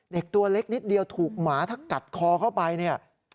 ตัวเล็กนิดเดียวถูกหมาถ้ากัดคอเข้าไปเนี่ย